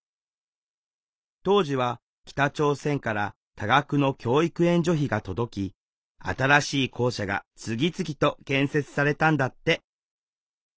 当時は北朝鮮から多額の教育援助費が届き新しい校舎が次々と建設されたんだって。